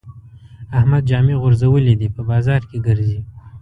احمد جامې غورځولې دي؛ په بازار کې ګرځي.